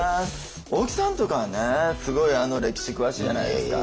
大木さんとかはねすごい歴史詳しいじゃないですか。